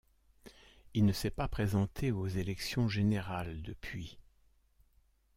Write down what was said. Il ne s'est pas présenté aux élections générales depuis.